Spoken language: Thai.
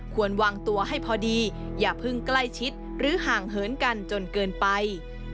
ควรวางตัวให้พอดีอย่าเพิ่งใกล้ชิดหรือห่างเหินกันจนเกินไป